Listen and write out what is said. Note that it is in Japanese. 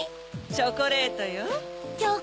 チョコレート！